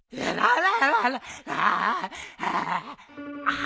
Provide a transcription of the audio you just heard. ああ